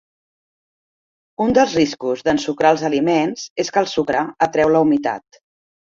Un dels riscos d'ensucrar els aliments és que el sucre atreu la humitat.